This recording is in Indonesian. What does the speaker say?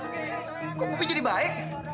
kok kamu jadi baik